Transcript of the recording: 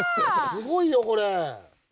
すごいよこれ。